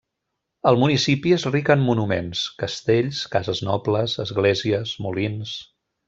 El municipi és ric en monuments: castells, cases nobles, esglésies, molins.